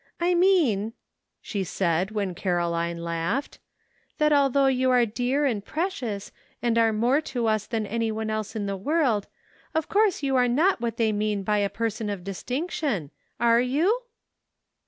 I mean," she «added, when Caroline laughed, " that although you are dear and pre cious, and are more to us than any one else in the world, of course you are not what they mean by a person of distinction ; are you